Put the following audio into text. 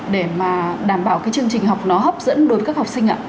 để mà đảm bảo cái chương trình học nó hấp dẫn đối với các học sinh ạ